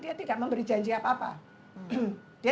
jika sudah mengenal chiwasraya bisa